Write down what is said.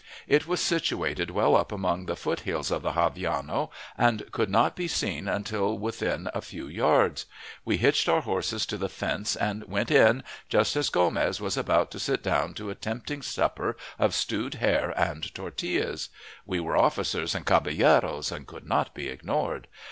It was situated well up among the foot hills of the Gavillano, and could not be seen until within a few yards. We hitched our horses to the fence and went in just as Gomez was about to sit down to a tempting supper of stewed hare and tortillas. We were officers and caballeros and could not be ignored.